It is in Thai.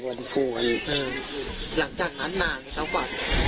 คือคือเขาให้หรือว่าเขา